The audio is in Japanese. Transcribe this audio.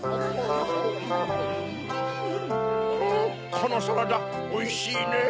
このサラダおいしいねぇ。